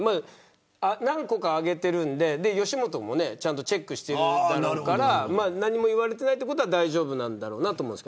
何個か上げているんで吉本もちゃんとチェックしているから何も言われていないということは大丈夫なんだろうなと思います。